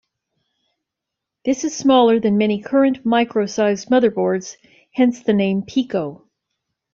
This is smaller than many current "micro"-sized motherboards, hence the name "pico".